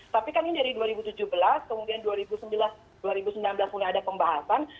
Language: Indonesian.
tapi kan ini dari dua ribu tujuh belas kemudian dua ribu sembilan belas dua ribu sembilan belas mulai ada pembahasan